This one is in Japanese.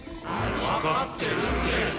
「分かってるって」。